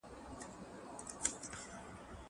زه مخکي زده کړه کړي وو!